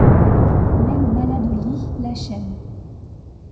Même malade au lit, la chaîne.